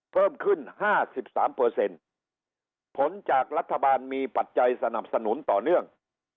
เพิ่มขึ้น๕๓เปอร์เซ็นต์ผลจากรัฐบาลมีปัจจัยสนับสนุนต่อเนื่อง